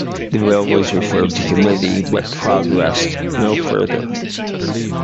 The bill was referred to committee, but progressed no further.